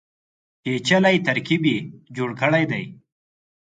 پېچلی ترکیب یې جوړ کړی دی.